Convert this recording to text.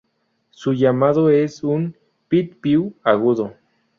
Su llamado es un "pit-piu" agudo.